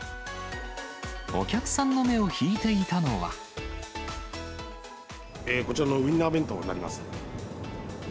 お客さんの目を引いていたのこちらのウインナー弁当になります。